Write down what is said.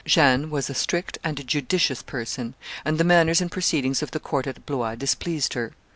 Jeanne was a strict and a judicious person; and the manners and proceedings of the court at Blois displeased her.